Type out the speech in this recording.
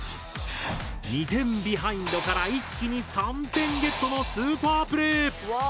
２点ビハインドから一気に３点ゲットのスーパープレイ！